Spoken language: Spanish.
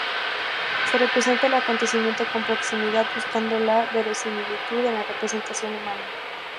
Se representa el acontecimiento con proximidad, buscando la verosimilitud en la representación humana.